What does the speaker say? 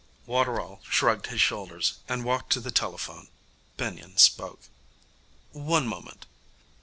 Waterall shrugged his shoulders, and walked to the telephone. Benyon spoke. 'One moment.'